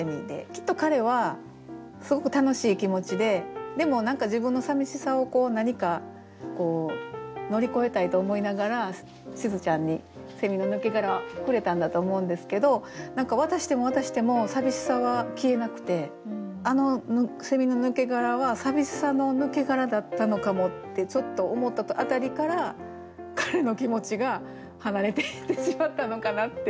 きっと彼はすごく楽しい気持ちででも何か自分のさみしさをこう何か乗り越えたいと思いながらしずちゃんにセミの抜け殻をくれたんだと思うんですけど何か渡しても渡しても寂しさは消えなくてあのセミの抜け殻は寂しさの抜け殻だったのかもってちょっと思った辺りから彼の気持ちが離れていってしまったのかなって。